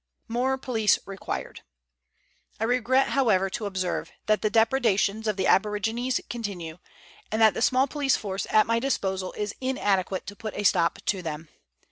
MORE POLICE REQUIRED. I regret, however, to observe that the depredations of the aborigines continue, and that the small police force at my disposal is inadequate to put a stop to them.